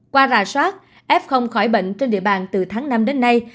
qua rà soát f khỏi bệnh trên địa bàn từ tháng năm đến nay